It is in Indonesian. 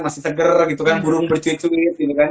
masih seger gitu kan burung bercuit cuit gitu kan